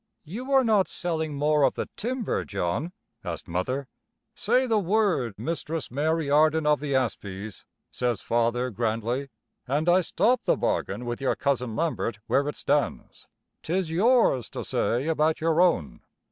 "You are not selling more of the timber, John?" asked Mother. "Say the word, Mistress Mary Arden of the Asbies," says Father grandly, "and I stop the bargain with your Cousin Lambert where it stands. 'Tis yours to say about your own.